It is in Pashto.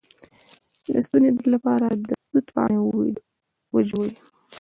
د ستوني درد لپاره د توت پاڼې وژويئ